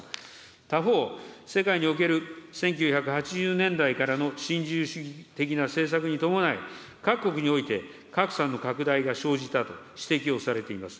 他方、世界における１９８０年代からの新自由主義的な政策に伴い、各国において、格差の拡大が生じたと指摘をされています。